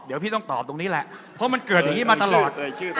เดี๋ยวพี่ต้องตอบตรงนี้แหละเพราะมันเกิดอย่างนี้มาตลอด